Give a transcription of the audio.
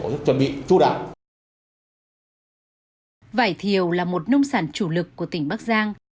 vải thiều là một nông sản chủ lực của tỉnh bắc giang